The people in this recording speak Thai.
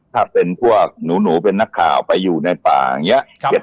ถ้าเป็นพวกหนูเป็นนักข่าวไปอยู่ในป่าอย่างนี้